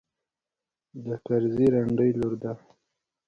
د کرزي رنډۍ لور ده.